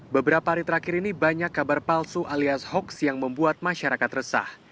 beberapa hari terakhir ini banyak kabar palsu alias hoax yang membuat masyarakat resah